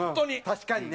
確かにね。